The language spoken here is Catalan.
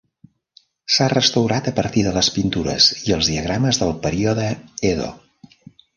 S'ha restaurat a partir de les pintures i els diagrames del període Edo.